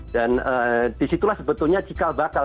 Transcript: dan disitulah sebetulnya jikal bakal